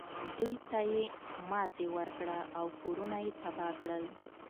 دوی ته یې ماتې ورکړه او کورونه یې تباه کړل.